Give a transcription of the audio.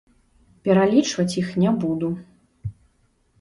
Пералічваць іх не буду.